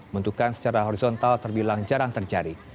bentukan secara horizontal terbilang jarang terjadi